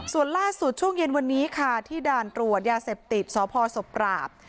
ส่วนล่าสุดช่วงเย็นวันนี้ค่ะที่ด่านตรวจยาเสพติดสพศพปราบ